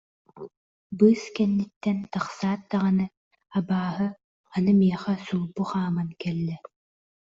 Быыс кэнниттэн тахсаат даҕаны, «абааһы» аны миэхэ сулбу хааман кэллэ